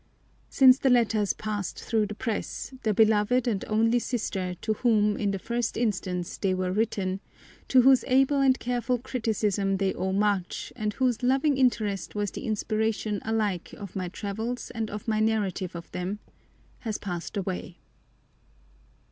Since the letters passed through the press, the beloved and only sister to whom, in the first instance, they were written, to whose able and careful criticism they owe much, and whose loving interest was the inspiration alike of my travels and of my narratives of them, has passed away.